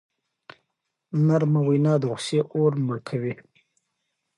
نرمه وینا د غصې اور مړ کوي.